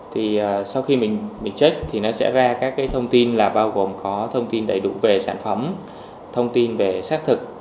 thì sau khi mình check thì nó sẽ ra các cái thông tin là bao gồm có thông tin đầy đủ về sản phẩm thông tin về xác thực